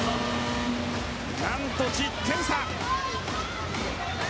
何と１０点差！